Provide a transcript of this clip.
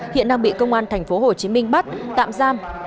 hiện đang bị công an tp hcm bắt tạm giam